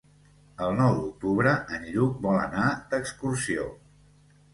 El nou d'octubre en Lluc vol anar d'excursió.